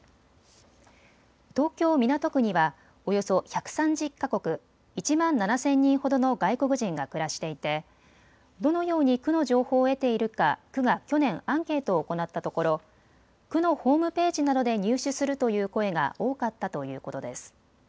東京港区にはおよそ１３０か国１万７０００人ほどの外国人が暮らしていてどのように区の情報を得ているか区が去年アンケートを行ったところ区のホームページなどで入手するという声が多かったということです。